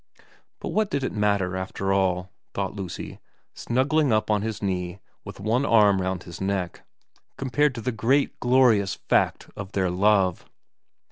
But what did it matter after all, thought Lucy, snuggled up on his knee with one arm round his neck, compared to the great, glorious fact of their love